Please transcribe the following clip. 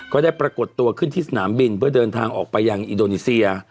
ก็ได้ปรากฏตัวขึ้นที่สนามบินเพื่อเดินทางออกไปยังอินโดนีเซีย